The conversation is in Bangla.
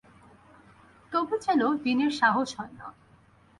তবু যেন বিনির সাহস হয় না।